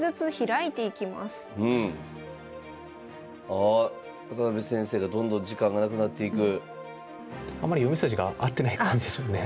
あ渡辺先生がどんどん時間がなくなっていく。